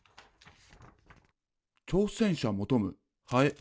「挑戦者求むハエ」。